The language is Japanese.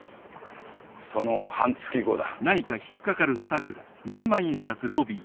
その半月後だ。